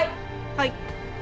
はい。